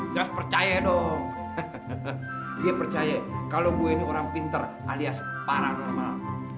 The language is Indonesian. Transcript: jelas percaya dong dia percaya kalau gue ini orang pinter alias paranomal